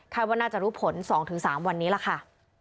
ว่าน่าจะรู้ผล๒๓วันนี้ล่ะค่ะ